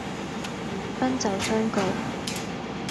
奔走相告